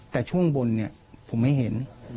แต่ช่วงบนเนี่ยผมไม่เห็น